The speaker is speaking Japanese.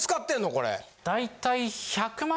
これ。大体。